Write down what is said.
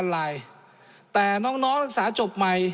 ๒๔๙๐๐๐ลายแต่น้องนักศึกษาจบใหม่